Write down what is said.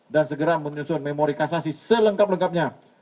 dan segera menyusun memori kasasi selengkap lengkapnya